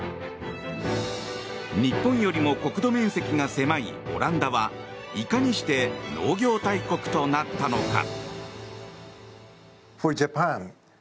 日本よりも国土面積が狭いオランダはいかにして農業大国となったのか。